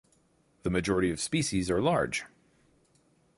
The majority of species are large.